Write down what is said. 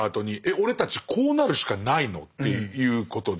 俺たちこうなるしかないの？っていうことで。